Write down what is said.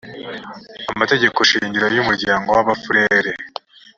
amategeko shingiro y umuryango w abafurere